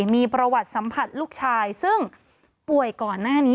มีประวัติสัมผัสลูกชายซึ่งป่วยก่อนหน้านี้